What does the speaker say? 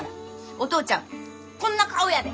お父ちゃんこんな顔やで！